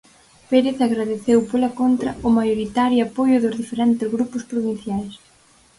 Pérez agradeceu, pola contra, o maioritario apoio dos diferentes grupos provinciais.